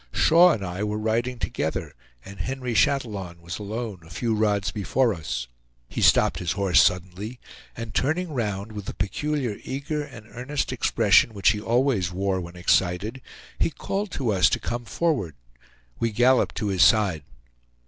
Shaw and I were riding together, and Henry Chatillon was alone, a few rods before us; he stopped his horse suddenly, and turning round with the peculiar eager and earnest expression which he always wore when excited, he called to us to come forward. We galloped to his side.